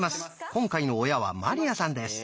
今回の親は鞠杏さんです。